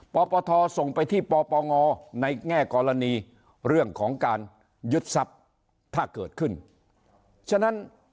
ปปทส่งไปที่ปปงในแง่กรณีเรื่องของการยึดทรัพย์ถ้าเกิดขึ้นฉะนั้น